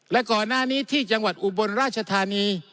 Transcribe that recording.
และก่อนหน้านี้ที่จังหวัดอุบลราชธานี